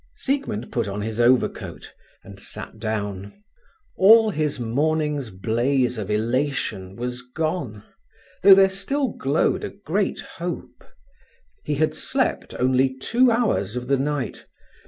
Siegmund put on his overcoat and sat down. All his morning's blaze of elation was gone, though there still glowed a great hope. He had slept only two hours of the night.